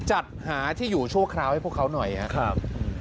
จัดหาที่อยู่ชั่วคราวให้พวกเขาหน่อยครับ